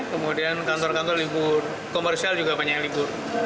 kemudian kantor kantor libur komersial juga banyak yang libur